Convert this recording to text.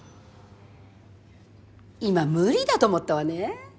今無理だと思ったわね？